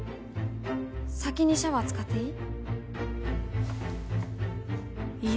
先にシャワー使っていい？